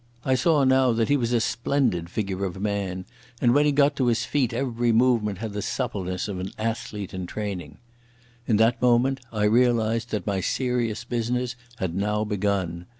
I saw now that he was a splendid figure of a man, and when he got to his feet every movement had the suppleness of an athlete in training. In that moment I realised that my serious business had now begun.